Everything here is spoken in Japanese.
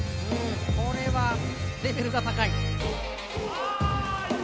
これはレベルが高い。